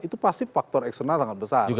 itu pasti faktor eksternal sangat besar